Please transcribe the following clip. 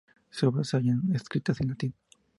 Sus obras se hallan escritas en latín.